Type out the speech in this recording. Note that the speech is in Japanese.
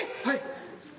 はい。